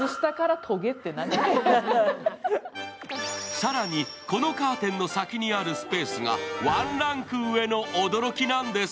更にこのカーテンの先にあるスペースがワンランク上の驚きなんです。